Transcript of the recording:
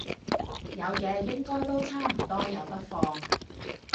有嘅，應該都差唔多有得放